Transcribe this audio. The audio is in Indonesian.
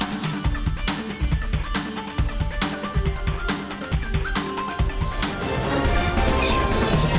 beristirahat tuhan melaksanakan kebenaran